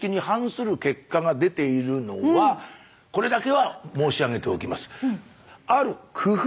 これだけは申し上げておきます。